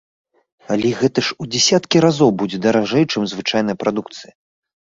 Але гэта ж у дзясяткі разоў будзе даражэй, чым звычайная прадукцыя!